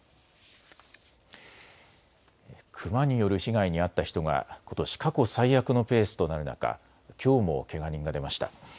クマによる被害に遭った人がことし過去最悪のペースとなる中、きょうもけが人が出ました。